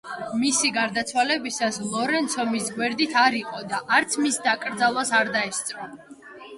მისი გარდაცვალებისას ლორენცო მის გვერდით არ იყო და არც მის დაკრძალვას არ დაესწრო.